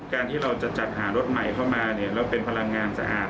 การที่เราจะจัดหารถใหม่เข้ามาแล้วเป็นพลังงานสะอาด